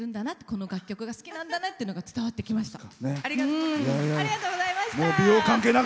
この楽曲が好きなんだなっていうのが伝わってきました。